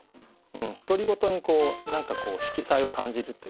独り言に色彩を感じるというかね。